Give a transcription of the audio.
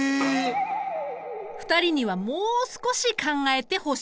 ２人にはもう少し考えてほしい。